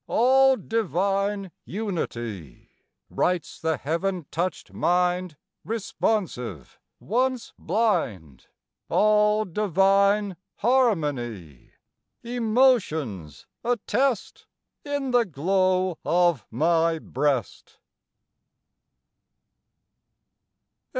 All divine unity! Writes the heaven touched mind Responsive, once blind: All divine harmony! Emotion's attest In the glow of my breast.